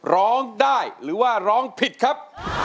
ร้องได้หรือว่าร้องผิดครับ